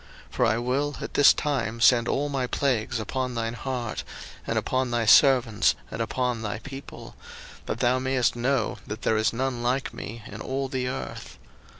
02:009:014 For I will at this time send all my plagues upon thine heart, and upon thy servants, and upon thy people; that thou mayest know that there is none like me in all the earth.